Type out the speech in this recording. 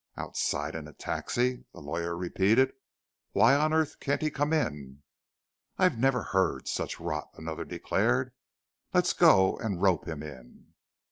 "Outside in a taxi?" the lawyer repeated. "Why on earth can't he come in?" "I never heard such rot," another declared. "Let's go and rope him in."